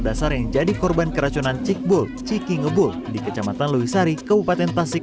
dasar yang jadi korban keracunan cikbul ciki ngebul di kecamatan lewisari kabupaten tasik